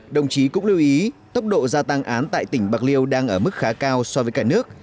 đồng chí cũng lưu ý tốc độ gia tăng án tại tỉnh bạc liêu đang ở mức khá cao so với cả nước